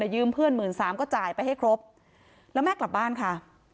ยืมเพื่อนหมื่นสามก็จ่ายไปให้ครบแล้วแม่กลับบ้านค่ะ